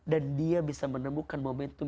dan dia bisa menemukan momentum